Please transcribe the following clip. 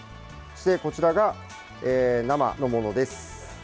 そして、こちらが生のものです。